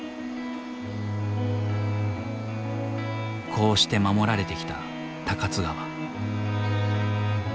こうして守られてきた高津川。